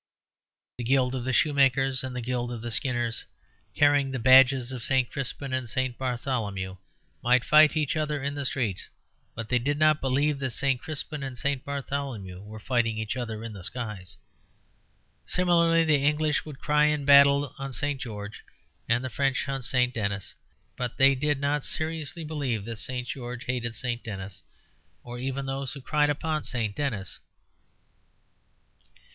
The Guild of the Shoemakers and the Guild of the Skinners, carrying the badges of St. Crispin and St. Bartholomew, might fight each other in the streets; but they did not believe that St. Crispin and St. Bartholomew were fighting each other in the skies. Similarly the English would cry in battle on St. George and the French on St. Denis; but they did not seriously believe that St. George hated St. Denis or even those who cried upon St. Denis.